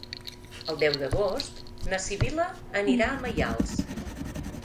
El deu d'agost na Sibil·la anirà a Maials.